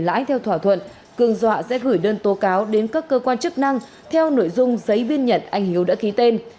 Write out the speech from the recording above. lãi theo thỏa thuận cương dọa sẽ gửi đơn tố cáo đến các cơ quan chức năng theo nội dung giấy biên nhận anh hiếu đã ký tên